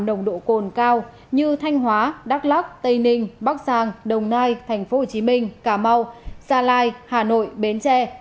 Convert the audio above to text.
nồng độ cồn cao như thanh hóa đắk lắc tây ninh bắc giang đồng nai tp hcm cà mau gia lai hà nội bến tre